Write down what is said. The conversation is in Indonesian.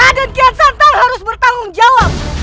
a dan kian santal harus bertanggung jawab